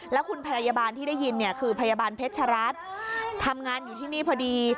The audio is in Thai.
แล้วคุณพยาบาลที่ได้ยินเนี่ยคือพยาบาลเพชรัตน์ทำงานอยู่ที่นี่พอดี